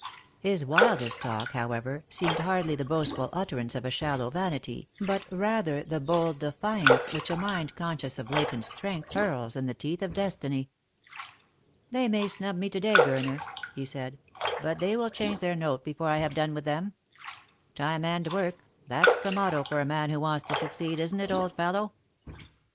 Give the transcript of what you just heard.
His wildest talk, how ever, seemed hardly the boastful utterance of a shallow vanity, but rather the bold defiance which a mind conscious of latent strength hurls in the teeth of destiny. " They may snub me to day, Gurner," he said, " but hey shall change their note before I have done with them. Time and work, that's the motto for a man who wants to succeed, isn't it, old fellow?"